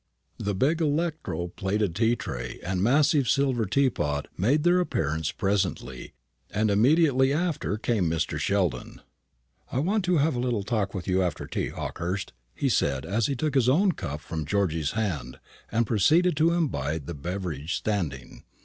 The big electro plated tea tray and massive silver teapot made their appearance presently, and immediately after came Mr. Sheldon. "I want to have a little talk with you after tea, Hawkehurst," he said, as he took his own cup from Georgy's hand, and proceeded to imbibe the beverage standing.